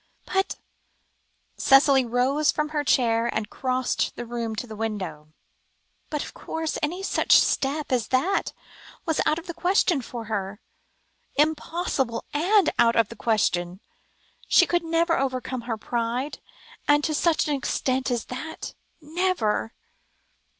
"But" Cicely rose from her chair, and crossed the room to the window "but, of course, any such step as that was out of the question for her impossible and out of the question. She could never overcome her pride, to such an extent as that never!"